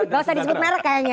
gak usah disebut merek kayaknya